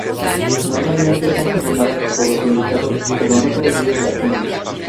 Normalmente son gestionadas por los sindicatos, pero no todos ellos las tienen.